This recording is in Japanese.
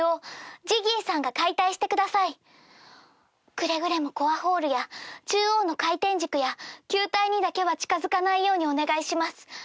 くれぐれもコアホールや中央の回転軸や球体にだけは近づかないようにお願いします